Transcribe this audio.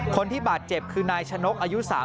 คนที่บาดเจ็บคือนายชะนกอายุ๓๐